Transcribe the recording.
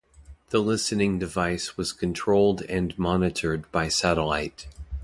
The listening device was controlled and monitored by satellite.